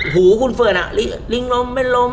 หูคุณเฟิร์นลิงลมเป็นลม